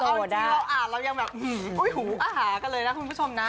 เอาจริงเราอาจเรายังแบบอุ้ยหูอาหากันเลยนะคุณผู้ชมนะ